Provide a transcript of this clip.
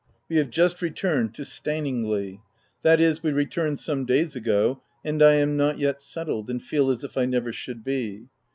— We have just returned to Staningley — that is, we returned some days ago, and I am not yet settled, and feel as if I never should be.